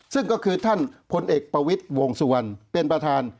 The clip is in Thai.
ซึ่งก็คือท่านพลเอกประวิทย์วงสุวรรณเป็นประธาน